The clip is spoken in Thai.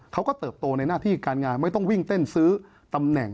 เติบโตในหน้าที่การงานไม่ต้องวิ่งเต้นซื้อตำแหน่ง